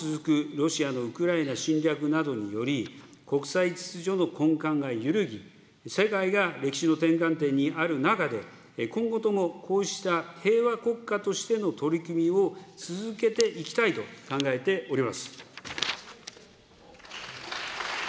ロシアのウクライナ侵略などにより、国際秩序の根幹が揺るぎ、世界が歴史の転換点にある中で、今後ともこうした平和国家としての取り組みを続けていきたいと考えております。